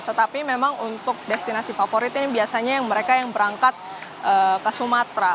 tetapi memang untuk destinasi favorit ini biasanya yang mereka yang berangkat ke sumatera